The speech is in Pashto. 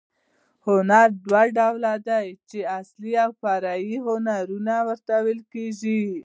هنرونه دوه ډول دي، چي اصلي او فرعي هنرونه ورته ویل کېږي.